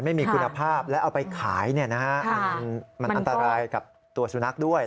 ไม่มีคุณภาพแล้วเอาไปขายมันอันตรายกับตัวสุนัขด้วย